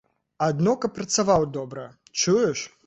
Адно каб працаваў добра, чуеш?